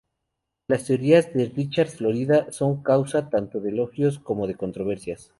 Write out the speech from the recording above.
Las teorías de Richard Florida son causa tanto de elogios como de controversias.